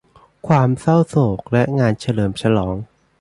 ความเศร้าโศกและงานเฉลิมฉลอง